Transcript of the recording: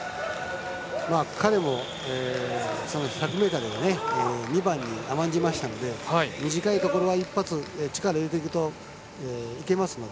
彼も１００ｍで２番に甘んじましたので短いところは一発、力を入れていくといけますので。